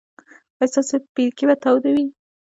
ایا ستاسو پیرکي به تاوده وي؟